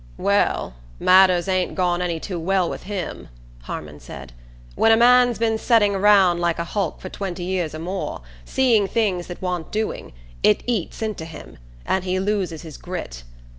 "Well, matters ain't gone any too well with him," Harmon said. "When a man's been setting round like a hulk for twenty years or more, seeing things that want doing, it eats inter him, and he loses his grit.